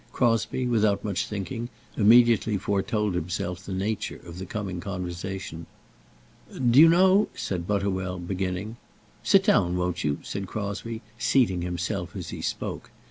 Crosbie, without much thinking, immediately foretold himself the nature of the coming conversation. "Do you know " said Butterwell, beginning. "Sit down, won't you?" said Crosbie, seating himself as he spoke.